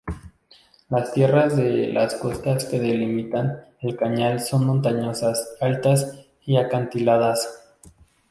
Las tierras de las costas que delimitan el canal son montañosas, altas y acantiladas.